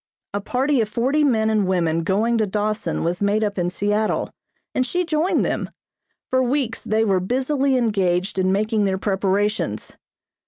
A party of forty men and women going to Dawson was made up in Seattle, and she joined them. For weeks they were busily engaged in making their preparations.